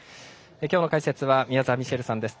今日の解説は宮澤ミシェルさんです。